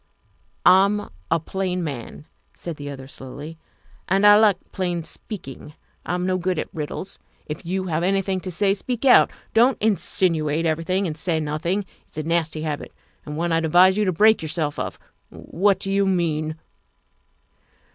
"I'm a plain man," said the other slowly, " and I THE SECRETARY OF STATE 283 like plain speaking. I'm no good at riddles. If you have anything to say, speak out ; don 't insinuate every thing and say nothing. It's a nasty habit, and one that I'd advise you to break yourself of. What do you mean